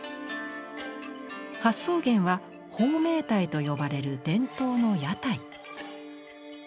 発想源は豊明台と呼ばれる伝統の屋台。